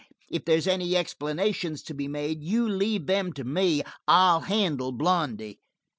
If there's any explanations to be made, you leave 'em to me. I'll handle Blondy."